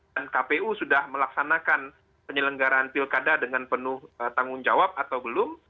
dan kpu sudah melaksanakan penyelenggaraan pilkada dengan penuh tanggungjawab atau belum